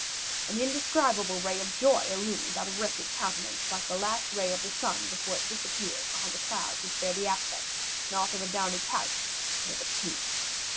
An indescribable ray of joy illumined that wretched countenance like the last ray of the sun before it disappears behind the clouds which bear the aspect, not of a downy couch, but of a tomb.